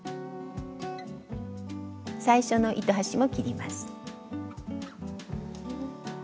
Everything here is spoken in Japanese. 最初の糸端も切ります。